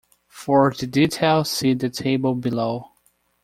For the details see the table below.